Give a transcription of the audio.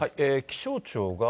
気象庁が。